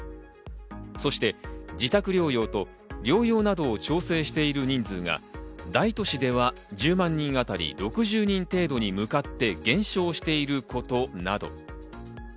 そして自宅療養と療養などを調整している人の人数が大都市では１０万人当たり６０人程度に向かって減少していることなど。